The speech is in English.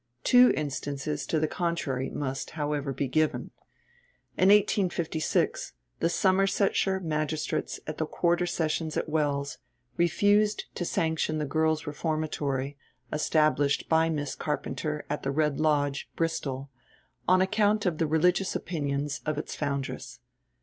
Two instances to the contrary must, however, be given. In 1856 the Somersetshire magistrates at the Quarter Sessions at Wells refused to sanction the Girls' Reformatory, established by Miss Carpenter at the Red Lodge, Bristol, on account of the religious opinions of its foundress.